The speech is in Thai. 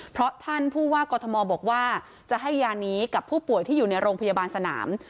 เพราะท่านผู้ว่ากอทมบอกว่าจะให้ยานี้กับผู้ป่วยที่อยู่ในโรงพยาบาลสนาม